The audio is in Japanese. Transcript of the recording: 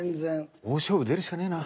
大勝負出るしかねぇな。